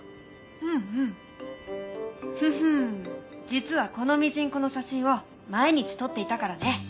実はこのミジンコの写真を毎日撮っていたからね。